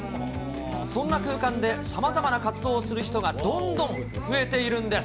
そんな空間で、さまざまな活動をする人がどんどん増えているんです。